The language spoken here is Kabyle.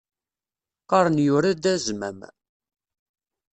Qqaren yura d azmam.